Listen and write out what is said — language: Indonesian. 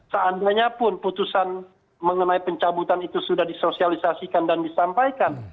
seandainya pun putusan mengenai pencabutan itu sudah disosialisasikan dan disampaikan